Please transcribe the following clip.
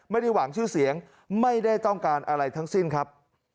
ไม่ได้หวังชื่อเสียงไม่ได้ต้องการอะไรทั้งสิ้นครับ